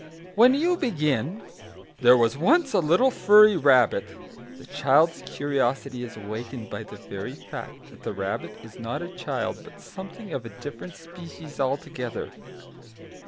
When you begin, "There was once a little furry rabbit," the child's curiosity is awakened by the very fact that the rabbit is not a child, but something of a different species altogether.